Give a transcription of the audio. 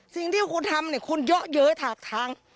สิ่งที่คุณทำเนี่ยคุณเยอะเย้ยถากทาง